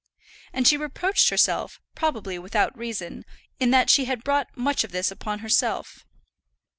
And she reproached herself, probably without reason, in that she had brought much of this upon herself.